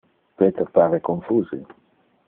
Peter pare confuse?